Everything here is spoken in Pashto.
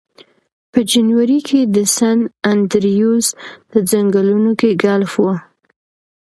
په جنوري کې د سن انډریوز په ځنګلونو کې ګلف و